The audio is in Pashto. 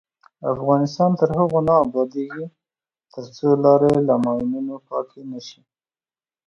افغانستان تر هغو نه ابادیږي، ترڅو لارې له ماینونو پاکې نشي.